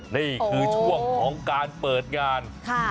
นี่คือช่วงของการเปิดงาน